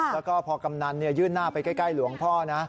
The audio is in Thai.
แล้วก็พอกรรมนั้นเนี่ยยื่นหน้าไปใกล้หลวงพ่อนะ